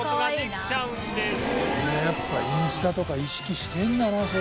「やっぱインスタとか意識してんだなそういうとこね」